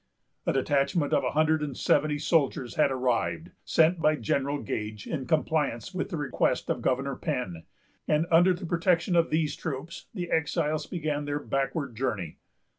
A detachment of a hundred and seventy soldiers had arrived, sent by General Gage in compliance with the request of Governor Penn; and under the protection of these troops, the exiles began their backward journey.